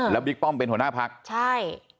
แล้วบิ๊กป้อมเป็นหัวหน้าพักใช่